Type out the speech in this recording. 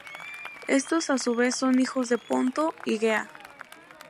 Estos a su vez son hijos de Ponto y Gea.